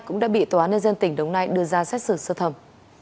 cũng đã bị tòa nơi dân tỉnh đồng nai đưa ra xét xử sơ thẩm